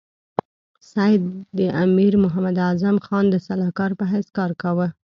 سید د امیر محمد اعظم خان د سلاکار په حیث کار کاوه.